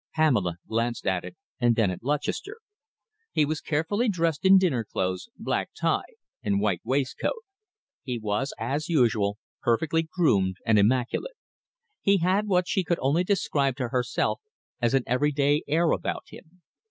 Pamela glanced at it and then at Lutchester. He was carefully dressed in dinner clothes, black tie and white waistcoat. He was, as usual, perfectly groomed and immaculate. He had what she could only describe to herself as an everyday air about him.